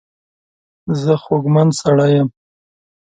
زه خوږمن سړی یم.